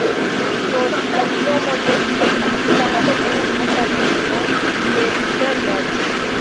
Post la diplomo li estis asistanto en Akademio de Selmec.